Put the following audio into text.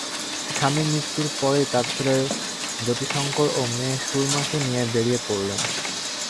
স্বামীর মৃত্যুর পরেই তাঁর ছেলে যতিশংকর ও মেয়ে সুরমাকে নিয়ে বেরিয়ে পড়লেন।